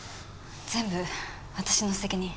全部私の責任。